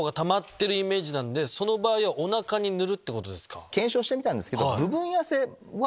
例えば。検証してみたんですけど。